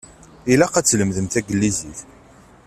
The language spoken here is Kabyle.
Ilaq ad tlemdem taglizit.